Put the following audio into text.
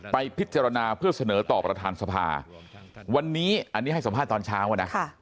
ไปพิจารณาเพื่อเสนอต่อประธานสภาวันนี้อันนี้ให้สัมภาษณ์ตอนเช้าอ่ะนะ